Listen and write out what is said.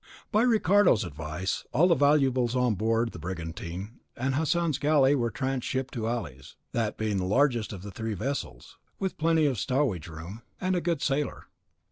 By Ricardo's advice, all the valuables on board the brigantine and Hassan's galley were transhipped to Ali's, that being the largest of the three vessels, with plenty of stowage room, and a good sailer.